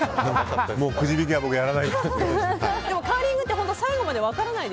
もうくじ引きは僕やらない。